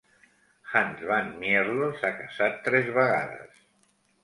Hans van Mierlo s'ha casat tres vegades.